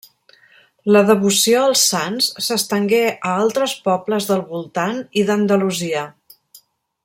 La devoció als sants s'estengué a altres pobles del voltant i d'Andalusia.